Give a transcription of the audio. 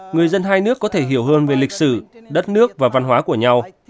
người dân hai nước có thể hiểu hơn về lịch sử đất nước và văn hóa của nhau